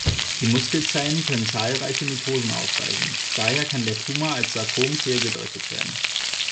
Die Muskelzellen können zahlreiche Mitosen aufweisen, daher kann der Tumor als Sarkom fehlgedeutet werden.